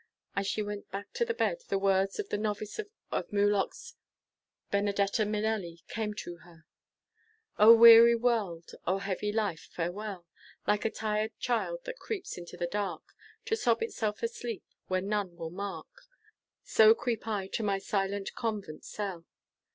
As she went back to the bed, the words of the novice in Muloch's "Benedetta Minelli" came to her: "O weary world, O heavy life, farewell! Like a tired child that creeps into the dark To sob itself asleep where none will mark, So creep I to my silent convent cell."